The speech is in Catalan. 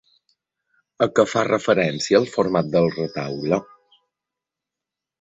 A què fa referència el format del retaule?